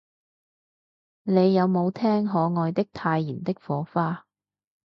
你有無聽可愛的太妍的火花